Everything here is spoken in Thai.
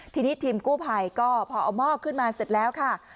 ทีนี้ทีมกู้ภัยก็พอเอาหม้อขึ้นมาเสร็จแล้วค่ะ